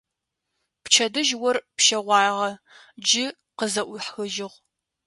Пчэдыжь ор пщэгъуагъэ, джы къызэӏуихыжьыгъ.